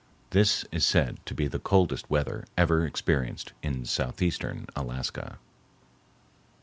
This is said to be the coldest weather ever experienced in southeastern Alaska.